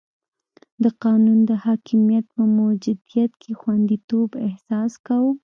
د قانون د حاکمیت په موجودیت کې خونديتوب احساس کاوه.